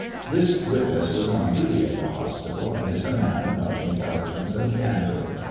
This witness was on duty at the hospital and is a man of much intelligence and candor.